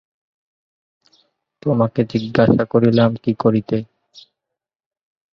তোমাকে জিজ্ঞাসা করিলাম কী করিতে।